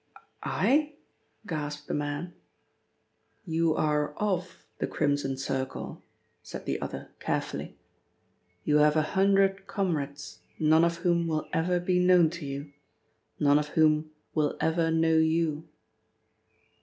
"I?" gasped the man. "You are of the Crimson Circle," said the other carefully. "You have a hundred comrades, none of whom will ever be known to you, none of whom will ever know you."